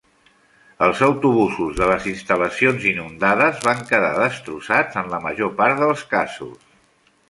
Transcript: Els autobusos de les instal·lacions inundades van quedar destrossats en la major part dels casos.